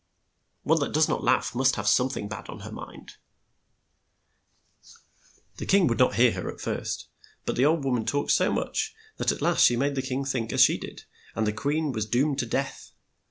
One that does not laugh must have some thing bad on her mind." The king would not hear her at first, but the old wom an talked so much that at last she made the king think as she did, and the queen was doomed to death.